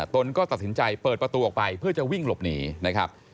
ตนก็ตัดสินใจเปิดประตูออกไปเพื่อจะวิ่งหลบหนีนะครับ